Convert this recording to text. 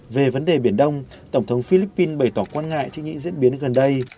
về vấn đề biển đông tổng thống philippines bày tỏ quan ngại trước những diễn biến gần đây